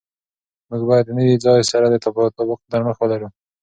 موږ باید د نوي ځای سره د تطابق نرمښت ولرو.